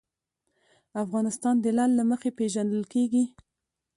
افغانستان د لعل له مخې پېژندل کېږي.